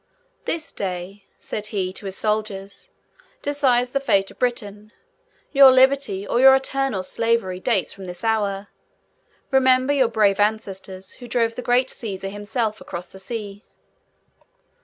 'This day,' said he to his soldiers, 'decides the fate of Britain! Your liberty, or your eternal slavery, dates from this hour. Remember your brave ancestors, who drove the great Cæsar himself across the sea!